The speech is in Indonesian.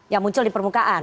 yang muncul di permukaan